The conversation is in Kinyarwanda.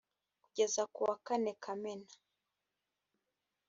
kugeza ku wa kane kamena